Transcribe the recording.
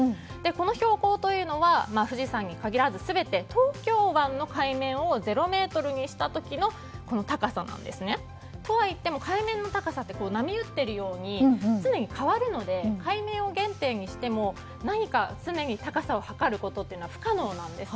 この標高というのは富士山に限らず全て東京湾の海面を０ｍにしたときの高さなんですね。とはいっても海面の高さは波打ってるように常に変わるので海面を原点にしても何か常に高さを測ることは不可能なんです。